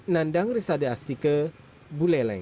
nandang risade astike buleleng